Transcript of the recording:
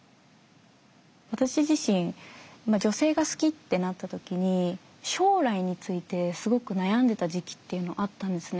私自身女性が好きってなった時に将来についてすごく悩んでた時期っていうのあったんですね。